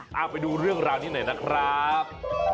เอาไปดูเรื่องราวนี้หน่อยนะครับ